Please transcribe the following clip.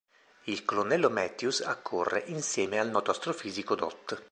Il colonnello Matthews accorre, insieme al noto astrofisico dott.